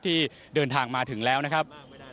ที่เดินทางมาถึงแล้วนะครับ